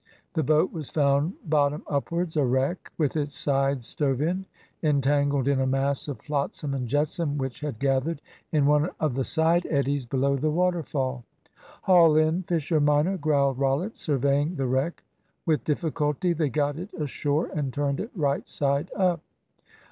The boat was found bottom upwards a wreck, with its side stove in, entangled in a mass of flotsam and jetsam which had gathered in one of the side eddies below the waterfall. "Haul in, Fisher minor," growled Rollitt, surveying the wreck. With difficulty they got it ashore and turned it right side up.